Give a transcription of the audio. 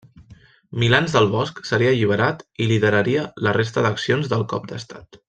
Milans del Bosch seria alliberat i lideraria la resta d'accions del cop d'estat.